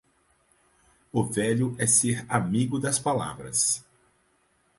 O velho é ser amigo das palavras.